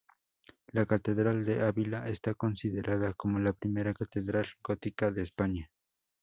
La catedral de Ávila está considerada como la primera catedral gótica de España.